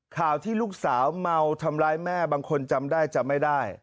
ข่าวที่ลูกสาวเมาทำร้ายแม่บางคนจำได้จำไม่ได้